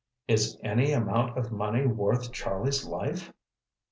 Is any amount of money worth Charlie's life?"